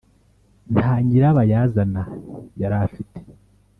nta nyirabayazana yari afite.